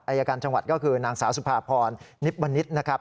อายการจังหวัดก็คือนางสาวสุภาพรนิบบนิษฐ์นะครับ